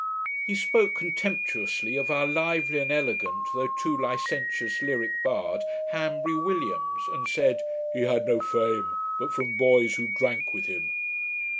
He spoke contemptuously of our lively and elegant, though too licentious, lyrick bard, Hanbury Williams, and said, 'he had no fame, but from boys who drank with him'.